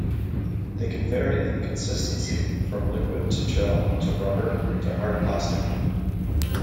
They can vary in consistency from liquid to gel to rubber to hard plastic.